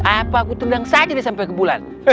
apa aku tendang saja sampai ke bulan